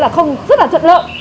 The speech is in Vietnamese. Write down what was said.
không rất là thuận lợi